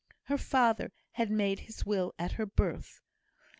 Her father had made his will at her birth.